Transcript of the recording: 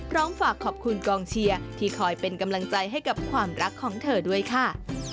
ร้องฝากขอบคุณกองเชียร์ที่คอยเป็นกำลังใจให้กับความรักของเธอด้วยค่ะ